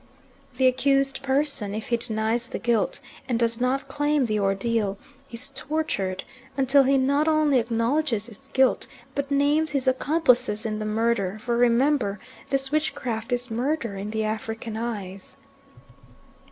The accused person, if he denies the guilt, and does not claim the ordeal, is tortured until he not only acknowledges his guilt but names his accomplices in the murder, for remember this witchcraft is murder in the African eyes.